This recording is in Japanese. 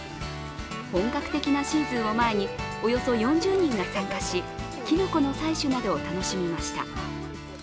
本格的なシーズンを前に、およそ４０人が参加し、きのこの採取などを楽しみました。